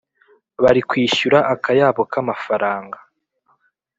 barikwishyura akayabo k’amafaranga"